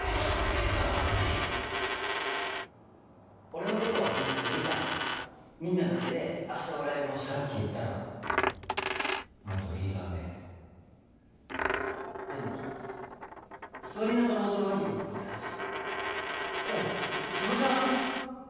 俺のことはホンマにいいからみんなだけで明日はライブをさっき言ったろ元リーダー命令でも座りながら踊るわけにもいかんしおっそれじゃない？